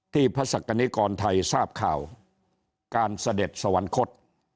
พระศักดิกรไทยทราบข่าวการเสด็จสวรรคต